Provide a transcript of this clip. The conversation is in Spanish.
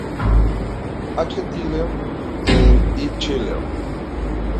H. Teller, and E. Teller.